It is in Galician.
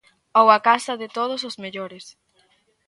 Ou a casa de todos os mellores.